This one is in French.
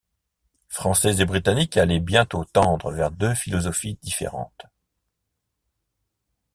Français et Britanniques allaient bientôt tendre vers deux philosophies différentes.